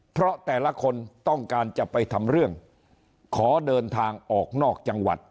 เพราะแต่ละคนต้องการจะไปทำเรื่องขอเดินทางออกนอกจังหวัด